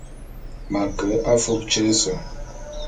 M'a ke afub tyé ése.